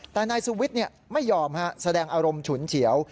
แต่นายสุวิทย์ไม่ยอมแสดงอารมณ์ฉุนเฉียว